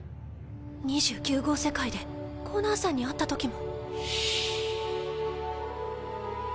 ２９号世界でコナーさんに会った時も